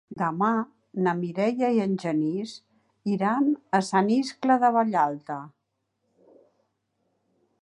Demà na Mireia i en Genís iran a Sant Iscle de Vallalta.